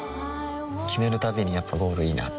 決めるたびにやっぱゴールいいなってふん